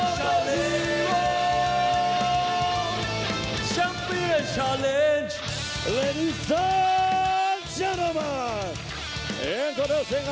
คนที่ทั้ง๒๐ปีสำนาจสำนายนตรงชายทางต่อทาง